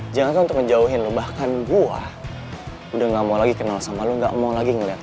jangan tuh untuk ngejauhin lo bahkan gue udah gak mau lagi kenal sama lo gak mau lagi ngeliat lo